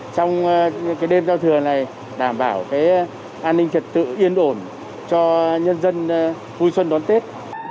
trong đêm giao thừa này đảm bảo an ninh trật tự yên ổn cho nhân dân vui xuân đón tết